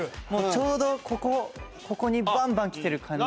ちょうどここここにバンバンきてる感じ。